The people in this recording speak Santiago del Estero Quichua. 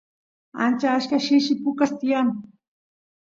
ancha achka shishi pukas tiyan